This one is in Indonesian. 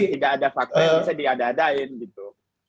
tidak ada faktor yang bisa diadah adahin gitu